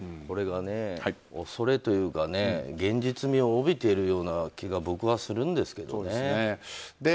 これが恐れというか現実味を帯びている気が僕はするんですけどね。